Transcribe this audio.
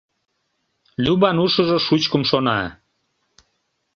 Любан ушыжо шучкым шона...